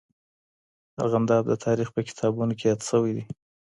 ارغنداب د تاریخ په کتابونو کې یاد سوی دی.